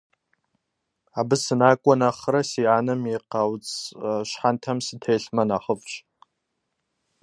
Абы сынакӀуэ нэхърэ, си анэм и къауц щхьэнтэм сытелъмэ нэхъыфӀщ.